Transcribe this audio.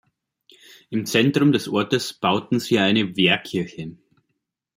Im Zentrum des Ortes bauten sie eine Wehrkirche.